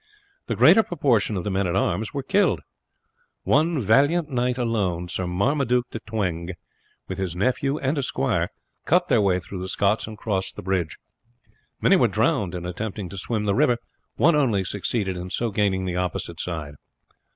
The greater proportion of the men at arms were killed. One valiant knight alone, Sir Marmaduke de Twenge, with his nephew and a squire, cut their way through the Scots, and crossed the bridge. Many were drowned in attempting to swim the river, one only succeeding in so gaining the opposite side.